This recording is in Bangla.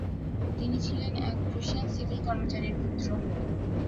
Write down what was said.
তিনি ছিলেন এক প্রুশিয়ান সিভিল কর্মচারীর পুত্র।